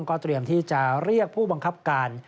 ก็เตรียมที่จะเรียกผู้บังคับการ